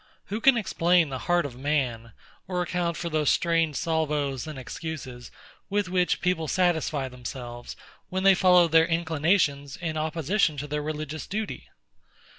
Who can explain the heart of man, or account for those strange salvos and excuses, with which people satisfy themselves, when they follow their inclinations in opposition to their religious duty?